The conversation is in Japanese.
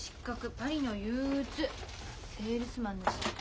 「パリの憂鬱」「セールスマンの死」。